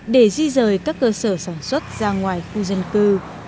để di rời các cơ sở sản xuất ra ngoài khu dân cư